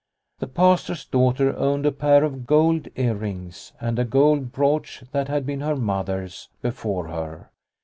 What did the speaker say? The Pastor's daughter owned a pair of gold ear rings and a gold brooch that had been her Mother's before her.